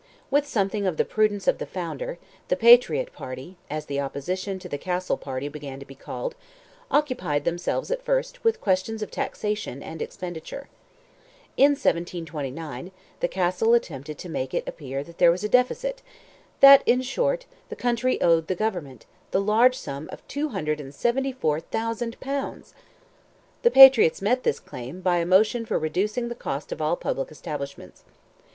With something of the prudence of the founder, "the Patriot party," as the opposition to the Castle party began to be called, occupied themselves at first with questions of taxation and expenditure. In 1729, the Castle attempted to make it appear that there was a deficit—that in short "the country owed the government"—the large sum of 274,000 pounds! The Patriots met this claim, by a motion for reducing the cost of all public establishments.